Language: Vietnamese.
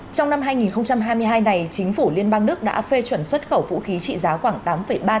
trong năm hai nghìn hai mươi hai này chính phủ liên bang đức đã phê chuẩn xuất khẩu vũ khí trị giá khoảng tám ba tỷ usd